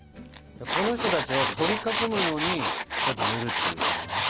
この人たちを取り囲むようにちょっとぬるっていう感じかな。